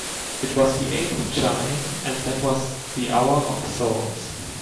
It was the eighth chime and that was the hour of souls.